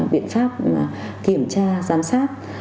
viện pháp kiểm tra giám sát